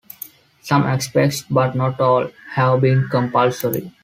Some aspects, but not all, have been compulsory.